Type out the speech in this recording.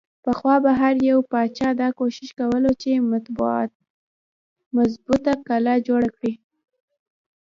پخوا به هر يو باچا دا کوښښ کولو چې مضبوطه قلا جوړه کړي۔